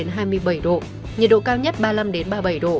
nhiệt độ cao nhất ba mươi năm ba mươi bảy độ